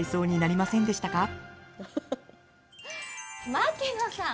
槙野さん！